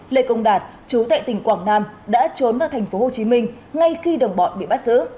lê công đạt chú tại tỉnh quảng nam đã trốn vào tp hcm ngay khi đồng bọn bị bắt giữ